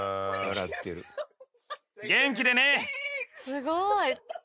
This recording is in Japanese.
すごい。